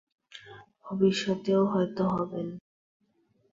ভবিষ্যতেও হয়তো হবেন।